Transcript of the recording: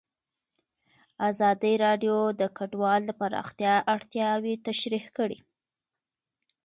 ازادي راډیو د کډوال د پراختیا اړتیاوې تشریح کړي.